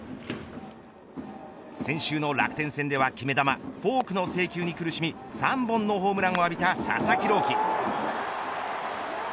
先週の楽天戦では、決め球フォークの制球に苦しみ３本のホームランを浴びた佐々木朗希。